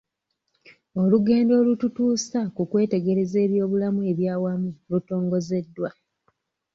Olugendo olututuusa ku kwetegereza ebyobulamu eby'awamu lutongozeddwa